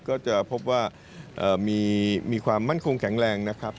ก็จะพบว่ามีความมั่นคงแข็งแรงนะครับ